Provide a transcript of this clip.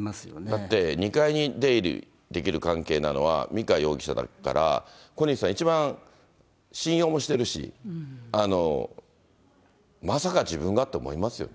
だって２階に出入りできる関係なのは美香容疑者だから小西さん、一番信用もしてるし、まさか自分がって思いますよね。